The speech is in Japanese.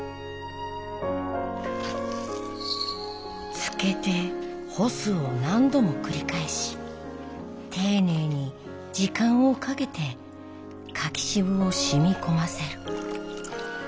つけて干すを何度も繰り返し丁寧に時間をかけて柿渋をしみ込ませる。